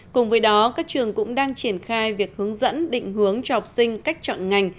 cùng với đó các trường cũng đang triển khai việc hướng dẫn định hướng cho học sinh cách chọn ngành